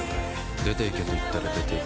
出ていけと言ったら出ていけ。